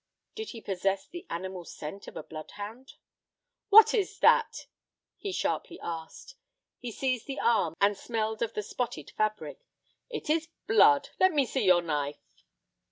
Did he possess the animal scent of a bloodhound? "What is that?" he sharply asked. He seized the arm and smelled of the spotted fabric. "It is blood! Let me see your knife."